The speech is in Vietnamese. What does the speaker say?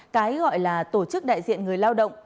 cái gọi là tổ chức đại diện người lao động